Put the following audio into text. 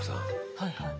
はいはい。